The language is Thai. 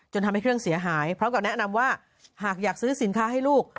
ทำให้เครื่องเสียหายพร้อมกับแนะนำว่าหากอยากซื้อสินค้าให้ลูก